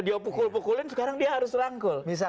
dia pukul pukulin sekarang dia harus rangkul